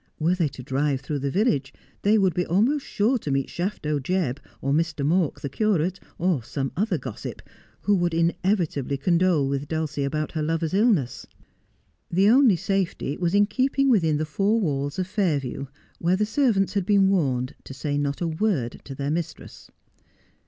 Were they to drive through the village they would be almost sure to meet Shafto Jebb, er Mr. Mawk, the curate, or some other gossip, who would inevitably condole with Dulcie about her lover's illness. The only safety was in keeping within the four walls of Fairview, where the servants had been warned to say not a word to their mistress.